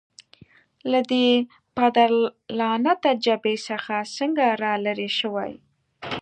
له دې پدرلعنته جبهې څخه څنګه رالیري شوې؟